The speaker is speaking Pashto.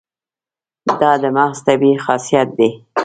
دا د مغز طبیعي خاصیت دی.